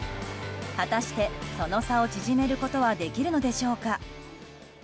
果たして、その差を縮めることはできるのでしょうか。